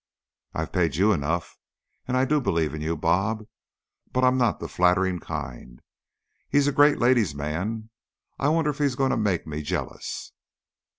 "I've paid you enough. And I do believe in you, 'Bob,' but I'm not the flattering kind. He's a great ladies' man. I wonder if he is going to make me jealous."